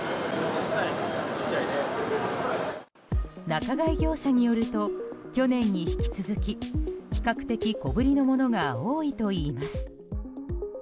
仲買業者によると去年に引き続き比較的小ぶりのものが多いといいます。